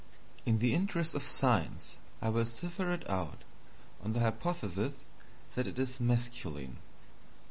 In the interest of science, I will cipher it out on the hypothesis that it is masculine.